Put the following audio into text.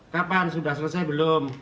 kapan sudah selesai belum